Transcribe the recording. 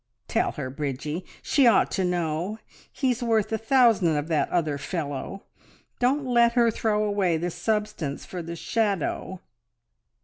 "Tell her, Bridgie! She ought to know. He's worth a thousand of that other fellow. Don't let her throw away the substance for the shadow."